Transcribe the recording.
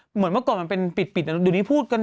เหมือนเมื่อก่อนมันเป็นปิดเดี๋ยวนี้พูดกัน